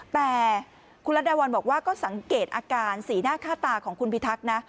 แต่คุณรัฐดาวันบอกว่าก็สังเกตอาการสีหน้าค่าตาของคุณพิทักษ์นะ